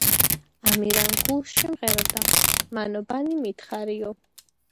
ამირან გულში მღეროდა - ყმანო ბანი მითხარიო